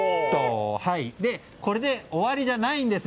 これで終わりじゃないんですよ。